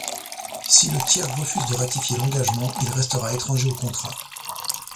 Si le tiers refuse de ratifier l'engagement, il restera étranger au contrat.